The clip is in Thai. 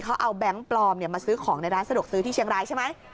เขาเอาแบงค์ปลอมมาซื้อของในร้านสะดวกซื้อที่เชียงรายใช่ไหม